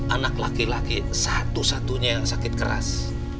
anak laki laki satu satunya yang sakit keras